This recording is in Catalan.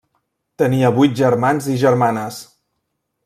Tenia vuit germans i germanes.